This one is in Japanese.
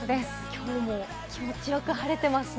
今日も気持ちよく晴れてますね。